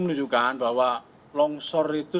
menunjukkan bahwa longsor itu